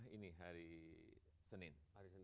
ini hari senin